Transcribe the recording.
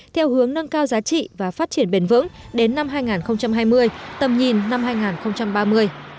theo hướng nâng cao giá trị và phát triển bền vững đến năm hai nghìn hai mươi tầm nhìn năm hai nghìn ba mươi